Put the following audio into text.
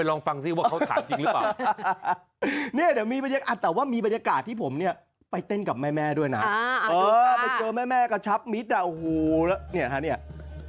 โอฮโค้คุณทำไมดีจังเลยนะ